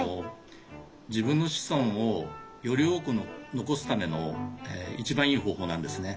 自分の子孫をより多く残すための一番いい方法なんですね。